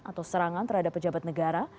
atau serangan terhadap pejabat negara